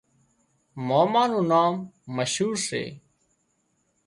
ماما نُون نام مشهور سي